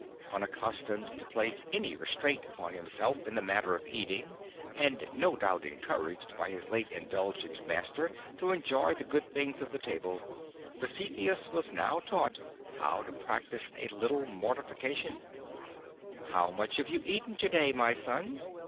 Unaccustomed to place any restraint upon himself in the matter of eating, and no doubt encouraged by his late indulgent master to enjoy the good things of the table, Dositheus was now taught how to practise a little mortification, *'How much have you eaten to day, my son?"